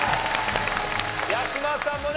八嶋さんもね